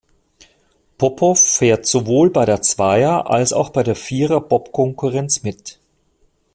Popow fährt sowohl bei der Zweier- als auch bei der Vierer-Bobkonkurrenz mit.